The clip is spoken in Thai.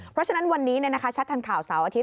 เพราะฉะนั้นวันนี้ชัดทันข่าวเสาร์อาทิตย